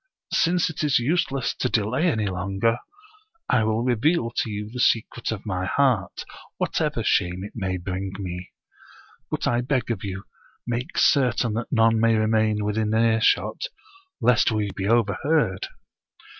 Since it is useless to delay any longer, I will reveal to you the secret of my heart, whatever shame it may bring me. But I beg of you, make certain that none may remain within earshot, lest we be overheard."